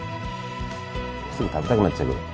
すぐ食べたくなっちゃうけど。